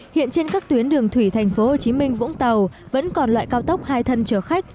hiện trên các tuyến đường thủy tp hcm vũng tàu vẫn còn loại cao tốc hai thân chở khách